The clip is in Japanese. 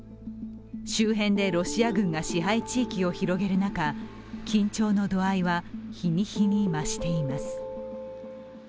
周辺でロシア軍が支配地域を広げる中、緊張の度合いは、日に日に増しています。